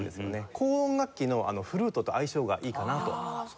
高音楽器のフルートと相性がいいかなと思いまして。